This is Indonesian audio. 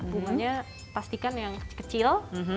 bunganya pastikan yang kecil